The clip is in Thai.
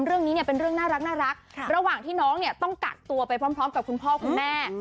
เรื่องนี้เนี่ยเป็นเรื่องน่ารักระหว่างที่น้องเนี่ยต้องกักตัวไปพร้อมกับคุณพ่อคุณแม่